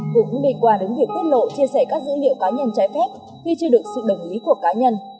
cũng bị quả đứng việc tiết lộ chia sẻ các dữ liệu cá nhân trái phép khi chưa được sự đồng ý của cá nhân